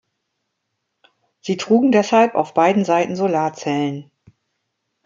Sie trugen deshalb auf beiden Seiten Solarzellen.